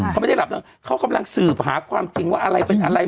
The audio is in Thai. เขาไม่ได้หลับแล้วเขากำลังสืบหาความจริงว่าอะไรเป็นอะไร